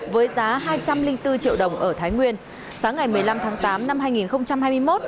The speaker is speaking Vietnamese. với giá hai trăm linh bốn triệu đồng ở thái nguyên sáng ngày một mươi năm tháng tám năm hai nghìn hai mươi một